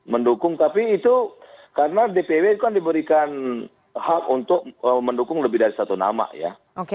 mendukung tapi itu karena dpw kan diberikan hak untuk mendukung lebih dari satu nama ya